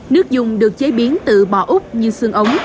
nước dùng được chế biến từ bò úc như xương ống